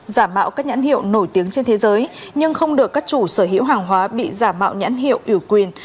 giả mạo các nhãn hiệu nổi tiếng trên thế giới nhưng không được các chủ sở hữu hàng hóa bị giả mạo nhãn hiệu ủ quyền